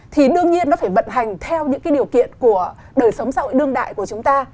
thì đương nhiên nó phải vận hành theo những cái điều kiện của đời sống xã hội đương đại của chúng ta